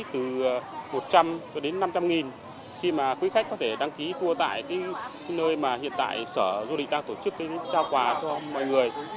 từ một trăm linh cho đến năm trăm linh nghìn khi mà quý khách có thể đăng ký tour tại nơi mà hiện tại sở du lịch đang tổ chức trao quà cho mọi người